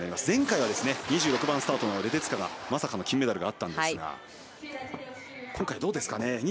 前回は２６番スタートのレデツカがまさかの金メダルがありましたが今回はどうですかね。